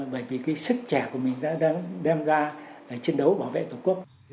bởi vì cái sức trẻ của mình đã đem ra chiến đấu bảo vệ tổ quốc